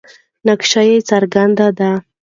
نقش یې څرګند دی.